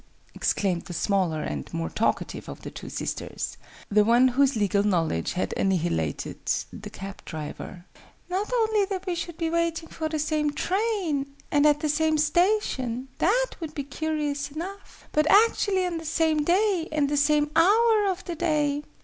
exclaimed the smaller and more talkative of the two sisters the one whose legal knowledge had annihilated the cab driver. "Not only that we should be waiting for the same train, and at the same station that would be curious enough but actually on the same day, and the same hour of the day!